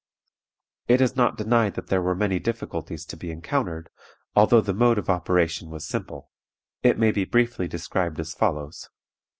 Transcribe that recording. It is not denied that there were many difficulties to be encountered, although the mode of operation was simple. It may be briefly described as follows.